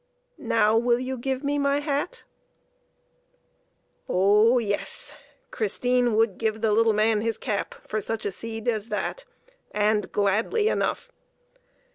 Now, will you give me my hat?" Oh yes; Christine would give the little man his cap for such a seed as that, and gladly enough.